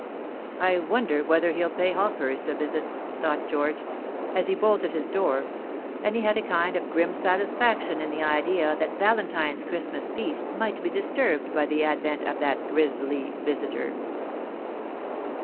"I wonder whether he'll pay Hawkehurst a visit," thought George, as he bolted his door; and he had a kind of grim satisfaction in the idea that Valentine's Christmas peace might be disturbed by the advent of that grisly visitor.